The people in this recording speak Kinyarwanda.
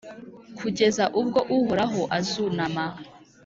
kugeza ubwo Uhoraho azunama,